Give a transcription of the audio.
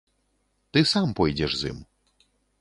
Ты сам пойдзеш з ім.